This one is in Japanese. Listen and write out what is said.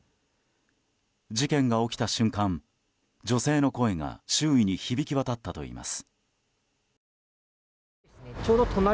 事件が起きた瞬間、女性の声が周囲に響き渡ったといいます。